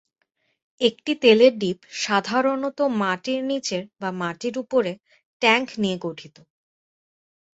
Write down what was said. একটি তেলের ডিপ সাধারণত মাটির নিচের বা মাটির উপরে ট্যাংক নিয়ে গঠিত।